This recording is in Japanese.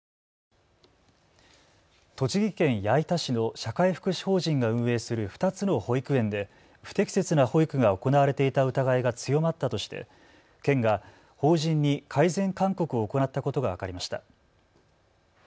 栃木県矢板市の社会福祉法人が運営する２つの保育園で不適切な保育が行われていた疑いが強まったとして県が法人に改善勧告を行ったことが分かりました。